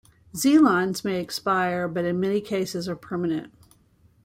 Z-lines may expire, but in many cases are permanent.